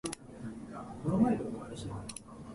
ずっと一緒にいたいです